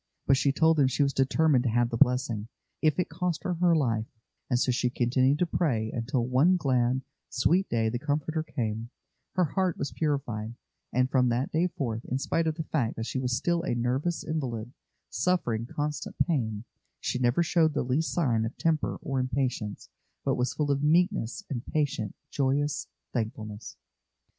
But she told them she was determined to have the blessing, if it cost her her life, and so she continued to pray, until one glad, sweet day the Comforter came; her heart was purified, and from that day forth, in spite of the fact that she was still a nervous invalid, suffering constant pain, she never showed the least sign of temper or impatience, but was full of meekness, and patient, joyous thankfulness.